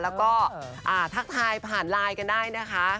แล้วก็ทักทายผ่านไลน์กันได้นะคะ